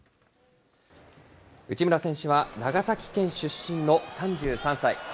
内村選手は、長崎県出身の３３歳。